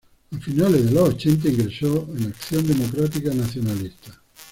A finales de los ochenta ingresó a Acción Democrática Nacionalista.